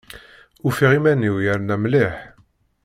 Ufiɣ iman-iw yerna mliḥ.